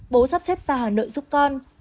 bố sắp xếp ra hà nội giúp con